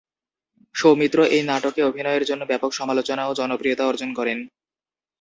সৌমিত্র এই নাটকে অভিনয়ের জন্য ব্যাপক সমালোচনা ও জনপ্রিয়তা অর্জন করেন।